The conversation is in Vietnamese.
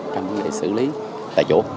trong vấn đề xử lý tại chỗ